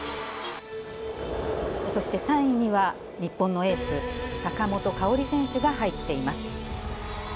そして３位には、日本のエース、坂本花織選手が入っています。